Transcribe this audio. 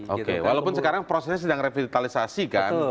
oke walaupun sekarang prosesnya sedang revitalisasi kan